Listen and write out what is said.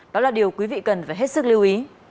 đó là điều quý vị cần phải hết sức lưu ý